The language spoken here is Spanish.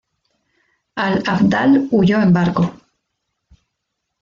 Al-Afdal huyó en barco.